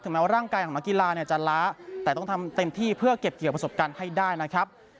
แม้ว่าร่างกายของนักกีฬาเนี่ยจะล้าแต่ต้องทำเต็มที่เพื่อเก็บเกี่ยวประสบการณ์ให้ได้นะครับ